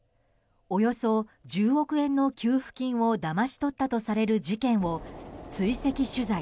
およそ１０億円の給付金をだまし取ったとされる事件を追跡取材。